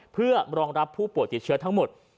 เพื่อรองรับผู้ป่วยติดเชื้อทั้งหมด